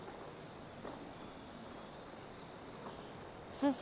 先生。